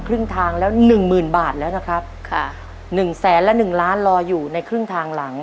ครึ่งทางแล้วหนึ่งหมื่นบาทแล้วนะครับค่ะหนึ่งแสนและหนึ่งล้านรออยู่ในครึ่งทางหลัง